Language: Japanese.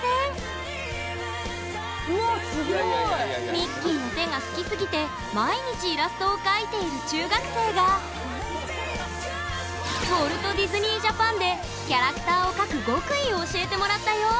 ミッキーの手が好きすぎて毎日イラストを描いている中学生がキャラクターを描く極意を教えてもらったよ！